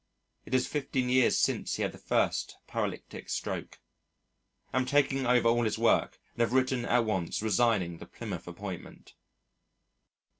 It is fifteen years since he had the first paralytic stroke. Am taking over all his work and have written at once resigning the Plymouth appointment.